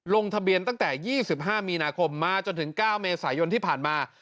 ลงทะเบียนตั้งแต่๒๕มีนาคมมาจนถึง๙เมษายนที่ผ่านมา